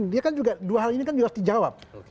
dia kan juga dua hal ini kan juga harus dijawab